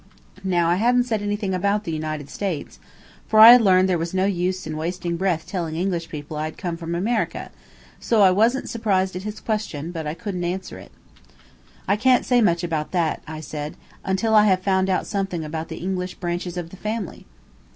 Now I hadn't said anything about the United States, for I had learned there was no use in wasting breath telling English people I had come from America, so I wasn't surprised at his question, but I couldn't answer it. "I can't say much about that," I said, "until I have found out something about the English branches of the family."